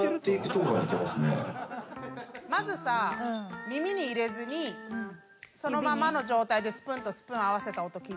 まずさ耳に入れずにそのままの状態でスプーンとスプーン合わせた音聞いてみようか。